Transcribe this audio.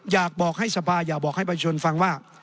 อยากบอกให้สภาอยากบอกให้ประชนฟังว่า